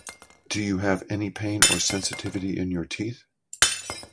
Do you have any pain or sensitivity in your teeth?